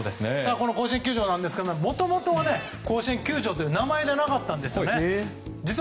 甲子園球場なんですがもともとは甲子園球場という名前じゃなかったんですね。